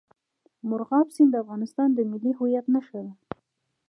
مورغاب سیند د افغانستان د ملي هویت نښه ده.